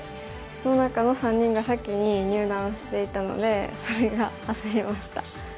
その中の３人が先に入段していたのでそれがあせりました。